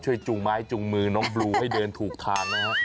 ช่วยจุงไม้จุงมือน้องบลูให้เดินถูกทางนะครับ